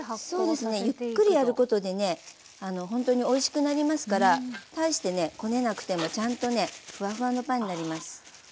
そうですねゆっくりやることでねほんとにおいしくなりますから大してねこねなくてもちゃんとねフワフワのパンになります。